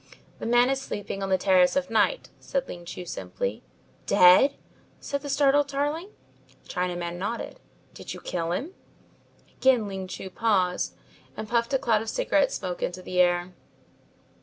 "The man is sleeping on the Terrace of Night," said Ling Chu simply. "Dead?" said the startled Tarling. The Chinaman nodded. "Did you kill him?" Again Ling Chu paused and puffed a cloud of cigarette smoke into the air.